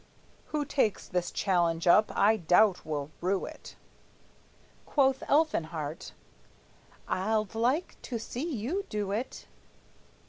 Who takes this challenge up, I doubt will rue it." Quoth Elfinhart: "I'ld like to see you do it!"